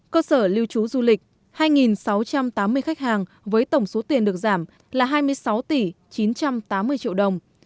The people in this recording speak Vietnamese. cơ sở lưu trú du lịch hai sáu trăm tám mươi khách hàng với tổng số tiền được giảm là hai mươi sáu tỷ chín trăm tám mươi triệu đồng